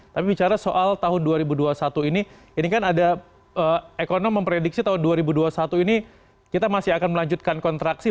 tapi bicara soal tahun dua ribu dua puluh satu ini ini kan ada ekonom memprediksi tahun dua ribu dua puluh satu ini kita masih akan melanjutkan kontraksi